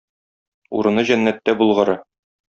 Урыны җәннәттә булгыры!